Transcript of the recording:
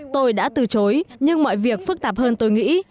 tôi đã từ chối nhưng mọi việc phức tạp hơn tôi nghĩ